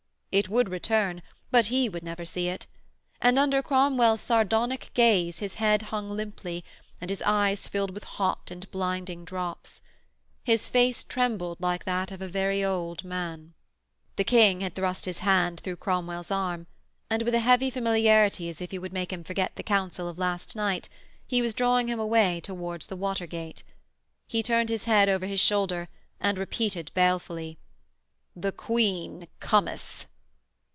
It would return, but he would never see it. And under Cromwell's sardonic gaze his head hung limply, and his eyes filled with hot and blinding drops. His face trembled like that of a very old man. The King had thrust his hand through Cromwell's arm, and, with a heavy familiarity as if he would make him forget the Council of last night, he was drawing him away towards the water gate. He turned his head over his shoulder and repeated balefully: 'The Queen cometh.'